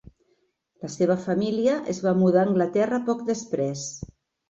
La seva família es va mudar a Anglaterra poc després.